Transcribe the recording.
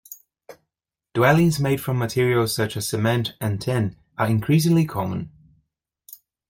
Dwellings made from materials such as cement and tin are increasingly common.